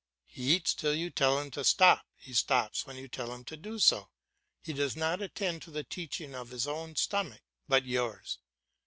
He eats till you tell him to stop, he stops when you tell him to do so; he does not attend to the teaching of his own stomach, but yours.